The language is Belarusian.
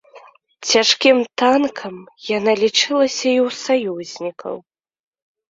Цяжкім танкам яна лічылася і ў саюзнікаў.